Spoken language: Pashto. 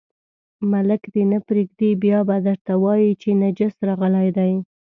ملک دې نه پرېږدي، بیا به درته وایي چې نجس راغلی دی.